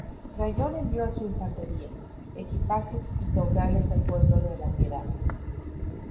Rayón envió a su infantería, equipajes, y caudales al pueblo de La Piedad.